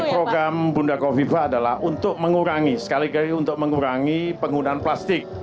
jadi program bunda kofi ba adalah untuk mengurangi sekali kali untuk mengurangi penggunaan plastik